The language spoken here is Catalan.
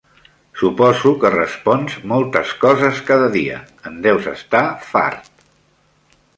Suposo que respons moltes coses cada dia, en deus estar fart.